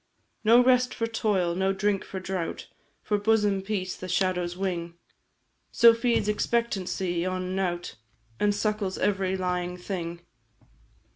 "No rest for toil, no drink for drought, For bosom peace the shadow's wing So feeds expectancy on nought, And suckles every lying thing.